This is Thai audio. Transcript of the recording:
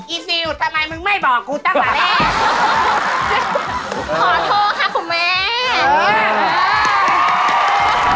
อีซิวทำไมไม่บอกกูตั้งแต่แรก